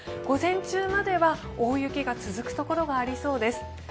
午前中までは大雪が続く所がありそうです。